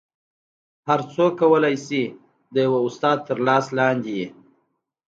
هر څوک کولی شي د یو استاد تر لاس لاندې وي